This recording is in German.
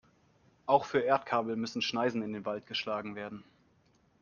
Auch für Erdkabel müssen Schneisen in den Wald geschlagen werden.